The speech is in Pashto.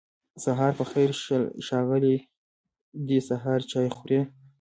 سهار پخير ښاغلی دی سهار چای خوری